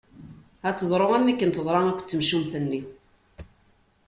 Ad teḍru am wakken i teḍra akked temcumt-nni